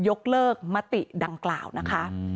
ยกเลิกมติดังกล่าวนะคะ